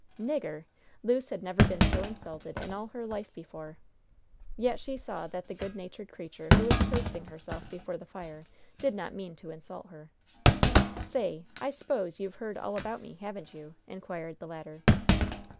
"Nigger!" Luce had never been so insulted in all her life before, yet she saw that the good natured creature who was toasting herself before the fire did not mean to insult her. "Say! I s'pose you've heard all about me, haven't you?" inquired the latter.